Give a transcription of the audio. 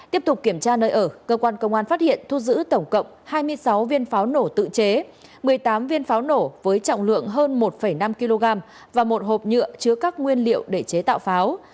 tiếp tục kiểm tra nơi ở cơ quan công an phát hiện thu giữ tổng cộng hai mươi sáu viên pháo nổ tự chế một mươi tám viên pháo nổ với trọng lượng hơn một năm kg và một hộp nhựa chứa các nguyên liệu để chế tạo pháo